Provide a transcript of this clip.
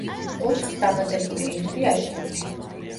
ოთხს დამატებული ერთი არის ხუთი.